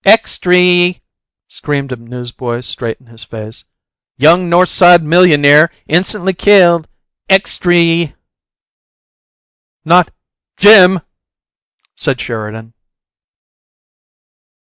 "Extry!" screamed a newsboy straight in his face. "Young North Side millionaire insuntly killed! Extry!" "Not JIM!" said Sheridan.